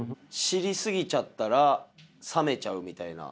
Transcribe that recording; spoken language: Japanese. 知り過ぎちゃったら冷めちゃうみたいな。